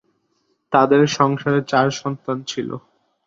তাদের সংসারে চার সন্তান ছিল।